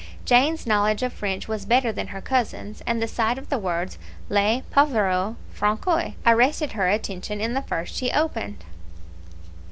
Jane's knowledge of French was better than her cousin's, and the sight of the words "LE PAUVRE FRANCOIS" arrested her attention in the first she opened.